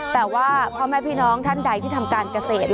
แต่ว่าพ่อแม่พี่น้องท่านใดที่ทำการเกษตร